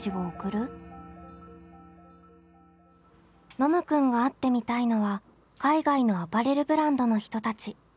ノムくんが会ってみたいのは海外のアパレルブランドの人たち。